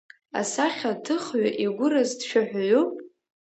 Асахьаҭыхҩы игәыраз дшәаҳәаҩуп?